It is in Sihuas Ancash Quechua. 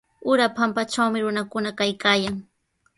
Ura pampatrawmi runakuna kaykaayan.